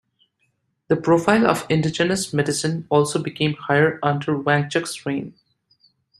The profile of indigenous medicine also became higher under Wangchuck's reign.